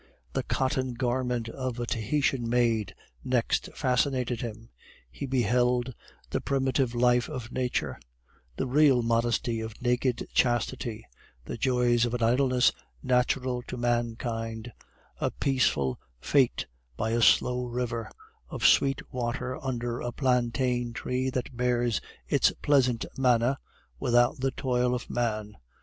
The cotton garment of a Tahitian maid next fascinated him; he beheld the primitive life of nature, the real modesty of naked chastity, the joys of an idleness natural to mankind, a peaceful fate by a slow river of sweet water under a plantain tree that bears its pleasant manna without the toil of man.